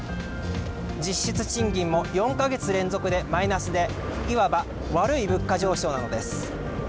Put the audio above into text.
実質賃金も４か月連続でマイナスでいわば悪い物価上昇なのです。